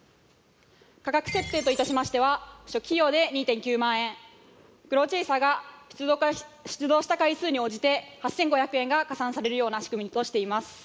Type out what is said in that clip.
価格設定と致しましては初期費用で２．９万円ＣｒｏｗＣｈａｓｅｒが出動した回数に応じて８，５００円が加算されるような仕組みとしています。